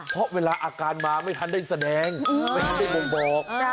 เพราะเวลาอาการมาไม่ทันได้แสดงไม่ทันได้บ่งบอก